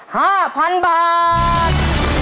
ห้าพันบาท